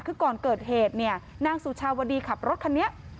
คือก่อนเกิดเหตุเนี่ยนางสุชาวดีขับรถคันนี้